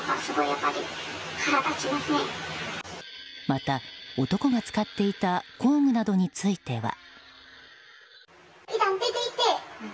また男が使っていた工具などについては。